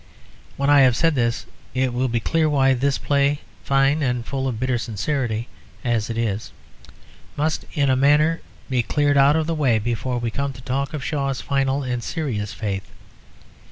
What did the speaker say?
When I have said this it will be clear why this play, fine and full of bitter sincerity as it is, must in a manner be cleared out of the way before we come to talk of Shaw's final and serious faith.